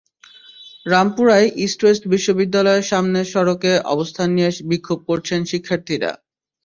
রামপুরায় East West বিশ্ববিদ্যালয়ের সামনের সড়কে অবস্থান নিয়ে বিক্ষোভ করছেন শিক্ষার্থীরা।